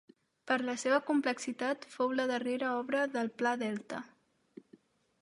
Per la seva complexitat fou la darrera obra del Pla Delta.